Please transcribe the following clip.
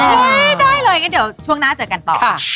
อ๋อเอ๊ยได้เลยอย่างนั้นเดี๋ยวช่วงหน้าเจอกันต่อ